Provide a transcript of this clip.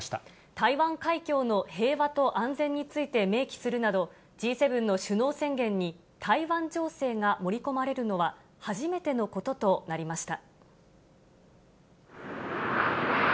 台湾海峡の平和と安全について明記するなど、Ｇ７の首脳宣言に台湾情勢が盛り込まれるのは、初めてのこととなりました。